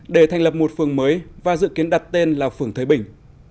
để thành lập một phường mới và dự kiến đặt tên là phường thới bình